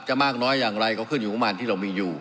มากน้อยอย่างไรก็ขึ้นอยู่ของมันที่เรามีอยู่